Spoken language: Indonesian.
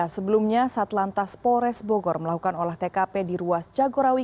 sebelumnya satlantas polres bogor melakukan olah tkp di ruas jagorawi